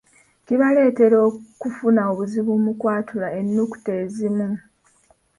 Kibaleetera okufuna obuzibu mu kwatula ennukuta ezimu.